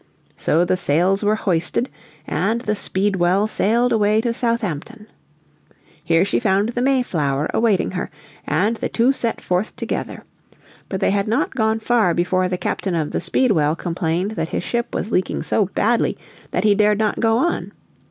So the sails were hoisted and the Speedwell sailed away to Southampton. Here she found the Mayflower awaiting her, and the two set forth together. But they had not gone far before the captain of the Speedwell complained that his ship was leaking so badly that he dared not go on.